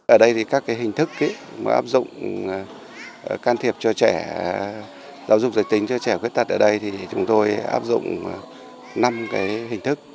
ở đây thì các hình thức áp dụng can thiệp cho trẻ giáo dục giới tính cho trẻ khuyết tật ở đây thì chúng tôi áp dụng năm hình thức